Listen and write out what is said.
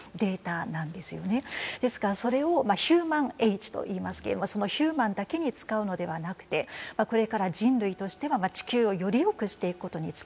ですからそれをヒューマン・エイジといいますけれどもそのヒューマンだけに使うのではなくてこれから人類としては地球をよりよくしていくことに使っていくという。